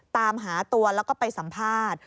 ตามหาตัวแล้วก็ไปสัมภาษณ์